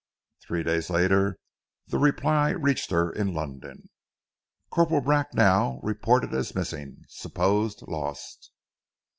Three days later the reply reached her in London. "Corporal Bracknell reported as missing. Supposed lost."